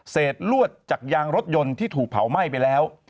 ลวดจากยางรถยนต์ที่ถูกเผาไหม้ไปแล้ว